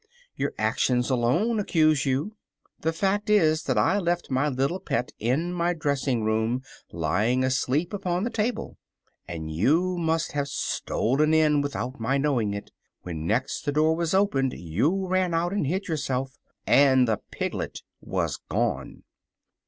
"Your actions alone accuse you. The fact is that I left my little pet in my dressing room lying asleep upon the table; and you must hove stolen in without my knowing it. When next the door was opened you ran out and hid yourself and the piglet was gone."